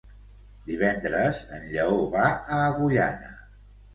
Divendres en Lleó va a Agullana.